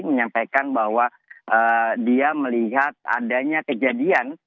menyampaikan bahwa dia melihat adanya kejadian